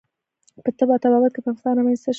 په طب او طبابت کې پرمختګ رامنځته شو.